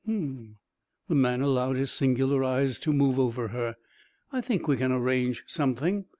"Uhm." The man allowed his singular eyes to move over her. "I think we can arrange something.